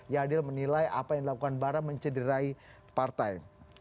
yadil menilai apa yang dilakukan bara mencederai partai